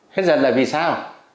hết dần là vì sao